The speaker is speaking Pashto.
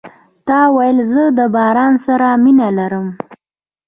تا ویل زه د باران سره مینه لرم .